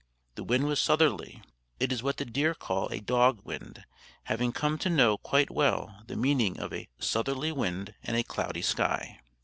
The wind was southerly: it is what the deer call a dog wind, having come to know quite well the meaning of "a southerly wind and a cloudy sky."